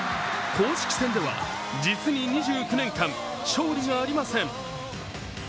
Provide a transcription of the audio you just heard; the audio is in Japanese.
公式戦では実に２９年間勝利がありません。